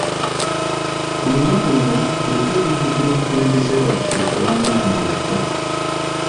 Ku lunaku luno bulijjo tujjukira omukulembeze waffe ow'amaanyi eyafa.